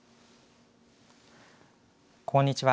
こんにちは。